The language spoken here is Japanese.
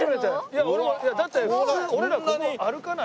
だって普通俺らここ歩かないよね。